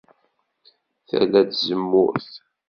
Tala n tzemmurt.